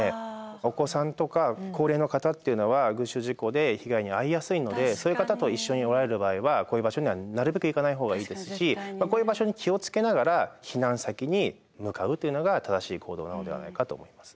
お子さんとか高齢の方っていうのは群集事故で被害に遭いやすいのでそういう方と一緒におられる場合はこういう場所にはなるべく行かない方がいいですしこういう場所に気を付けながら避難先に向かうというのが正しい行動なのではないかと思います。